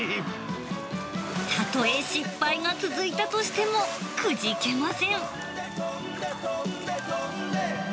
例え失敗が続いたとしても、くじけません。